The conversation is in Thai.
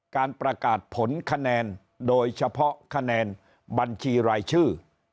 การประกาศผลคะแนนโดยเฉพาะคะแนนบัญชีรายชื่อ